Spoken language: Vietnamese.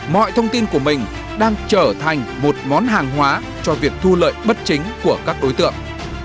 mọi thông tin của mình đang trở thành một món hàng hóa cho việc thu lợi bất chính của các đối tượng